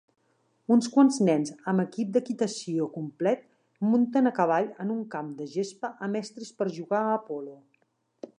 Uns quants nens amb equip d'equitació complet munten a cavall en un camp de gespa amb estris per jugar a polo.